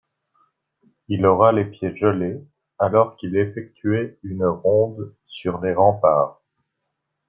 Il aura les pieds gelés alors qu'il effectuait une ronde sur les remparts.